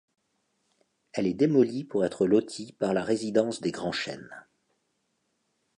Elle est démolie pour être lotie par la Résidence des Grands-Chênes.